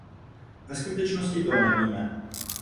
Ve skutečnosti to nevíme.